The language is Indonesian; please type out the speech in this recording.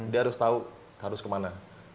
dia harus tahu harus kemana